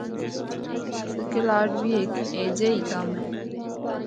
’سکے لاڈ‘ بھی ہک ہجیا ای کم اے۔